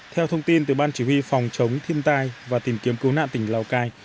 theo thông tin từ ban chỉ huy phòng chống thiên tai và tìm kiếm cứu nạn tỉnh lào cai